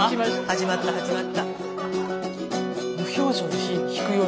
始まった始まった。